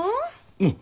うん。